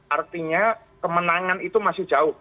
artinya kemenangan itu masih jauh